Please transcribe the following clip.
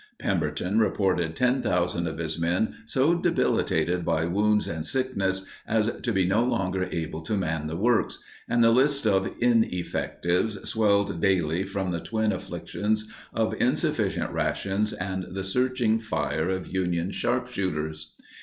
Pemberton reported 10,000 of his men so debilitated by wounds and sickness as to be no longer able to man the works, and the list of ineffectives swelled daily from the twin afflictions of insufficient rations and the searching fire of Union sharpshooters.